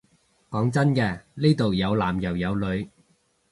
講真嘅，呢度有男又有女